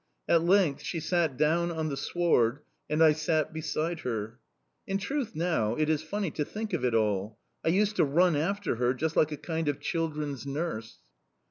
At length she sat down on the sward, and I sat beside her. In truth, now, it is funny to think of it all! I used to run after her just like a kind of children's nurse!